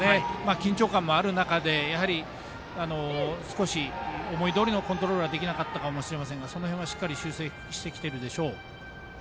緊張感もある中でやはり少し思いどおりのコントロールはできなかったかもしれませんがその辺はしっかり修正してきてるでしょう。